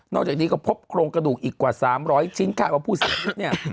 จากนี้ก็พบโครงกระดูกอีกกว่า๓๐๐ชิ้นคาดว่าผู้เสียชีวิตเนี่ย